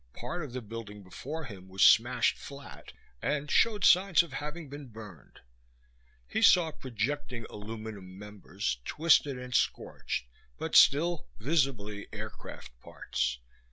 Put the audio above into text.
Part of the building before him was smashed flat and showed signs of having been burned. He saw projecting aluminum members, twisted and scorched but still visibly aircraft parts.